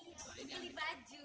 iya buat beli baju